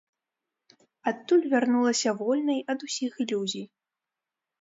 Адтуль вярнулася вольнай ад усіх ілюзій.